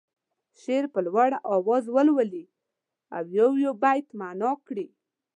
شعر په لوړ اواز ولولي او یو یو بیت معنا کړي.